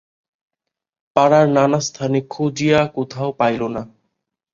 পাড়ার নানাস্থানে খুঁজিয়া কোথাও পাইল না।